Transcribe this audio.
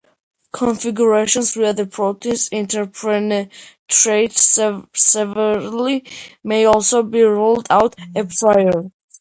Configurations where the proteins interpenetrate severely may also be ruled out "a priori".